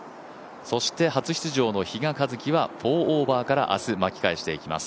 そして、初出場の比嘉一貴は４オーバーから明日、巻き返していきます。